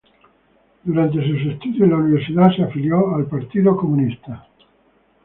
Durante sus estudios en la universidad se afilió al Partido Comunista.